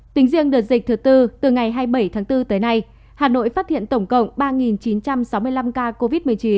tính riêng đợt dịch thứ tư từ ngày hai mươi bảy tháng bốn tới nay hà nội phát hiện tổng cộng ba chín trăm sáu mươi năm ca covid một mươi chín